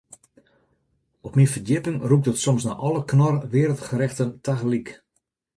Op myn ferdjipping rûkt it soms nei alle Knorr Wereldgerechten tagelyk.